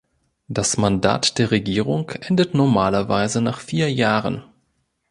Das Mandat der Regierung endet normalerweise nach vier Jahren.